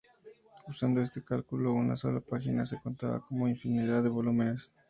Usando este cálculo, una sola página se contaba como infinidad de volúmenes.